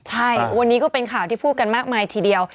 ใช่วันนี้ก็เป็นข่าวที่พูดกันมากมายทีเดียว